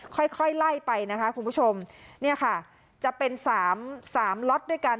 ค่อยค่อยไล่ไปนะคะคุณผู้ชมเนี่ยค่ะจะเป็นสามสามล็อตด้วยกัน